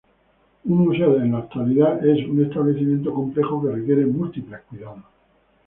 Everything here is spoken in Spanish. Un museo en la actualidad es un establecimiento complejo que requiere múltiples cuidados.